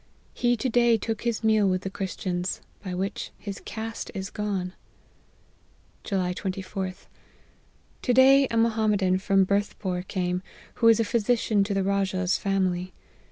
He to day took his meal with the Christians, by which his caste is gone. " July 24/A. To day a Mohammedan from Berth pore came, who is physician to the Rajah's family.